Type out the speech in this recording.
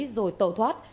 rồi tẩu thoát